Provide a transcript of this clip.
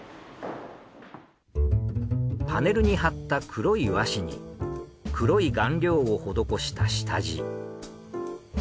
パネルに貼った黒い和紙に黒い顔料を施した下地。